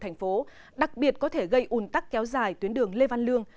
thành phố đặc biệt có thể gây ùn tắc kéo dài tuyến đường lê văn lương